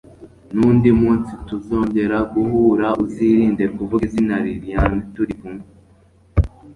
nundi munsi tuzongera guhura uzirinde kuvuga izina lilian turi kumwe